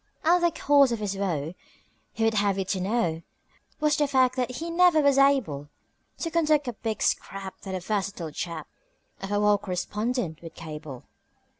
And the cause of his woe, he would have you to know, Was the fact that he never was able To conduct a big scrap that a versatile chap Of a war correspondent would cable.